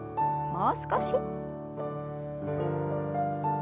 もう少し。